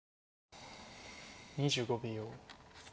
２５秒。